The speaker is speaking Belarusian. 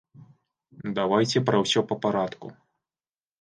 Давайце пра ўсё па парадку.